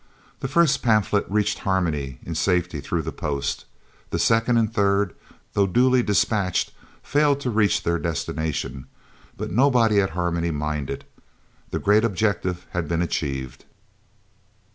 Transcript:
The first pamphlet reached Harmony in safety through the post, the second and third, though duly dispatched, failed to reach their destination, but nobody at Harmony minded. The great object had been achieved.